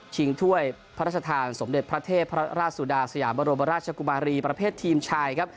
ชิงถ้วยพระราชทางสมเด็จประเทศพระราชสุดาสยาบรบราชกุมารีประเภททีมชาย